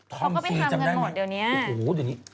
พวกเขาก็ไปทำกันหมดเดี๋ยวนี้